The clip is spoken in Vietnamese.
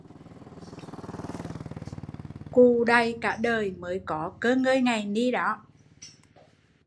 Cù đày cả đời mới có cơ ngơi ngày ni